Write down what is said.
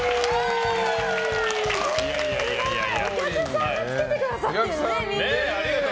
お客さんが着けてくださってるね、耳。